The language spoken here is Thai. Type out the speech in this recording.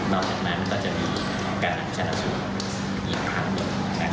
นอกจากนั้นก็จะมีการอินทราสุทธิ์อีกครั้งหนึ่ง